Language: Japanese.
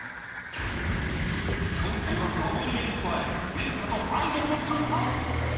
今回はソムリエに加え、メンサとアイドルも参加。